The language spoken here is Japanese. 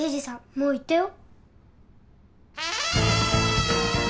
もう行ったよ。